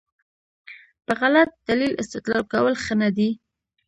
په غلط دلیل استدلال کول ښه نه دي.